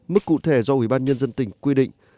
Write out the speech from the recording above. mức cụ thể do ủy ban nhân dân tỉnh quy định